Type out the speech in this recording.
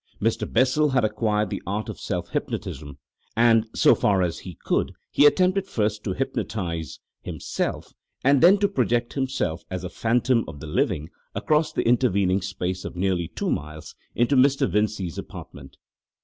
Mr. Bessel had acquired the art of self hypnotism, and, so far as he could, he attempted first to hypnotise himself and then to project himself as a "phantom of the living" across the intervening space of nearly two miles into Mr. Vincey's apartment.